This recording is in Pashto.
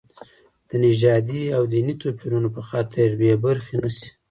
د نژادي او دیني توپیرونو په خاطر بې برخې نه شي.